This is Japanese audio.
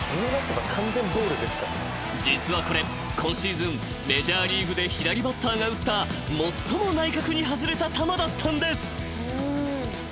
［実はこれ今シーズンメジャーリーグで左バッターが打った最も内角に外れた球だったんです］